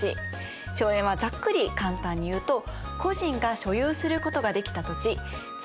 荘園はざっくり簡単にいうと個人が所有することができた土地つまり私有地のことです。